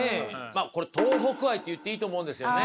これ東北愛って言っていいと思うんですよね。